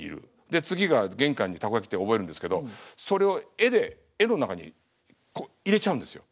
で次が玄関にたこ焼きって覚えるんですけどそれを絵で絵の中にこう入れちゃうんですよ。